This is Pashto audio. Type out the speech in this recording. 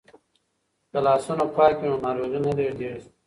که لاسونه پاک وي نو ناروغي نه لیږدیږي.